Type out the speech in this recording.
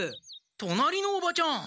隣のおばちゃん！